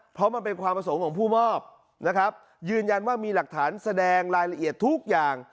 เพราะมันเป็นความประสงค์ของผู้มอบนะครับยืนยันว่ามีหลักฐานแสดงรายละเอียดทุกอย่าง